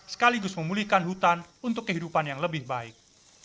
sekaligus memulihkan hutan untuk kehidupan yang lebih baik